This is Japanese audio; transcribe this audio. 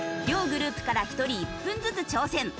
両グループから１人１分ずつ挑戦。